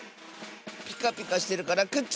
ピカピカしてるからくっつく！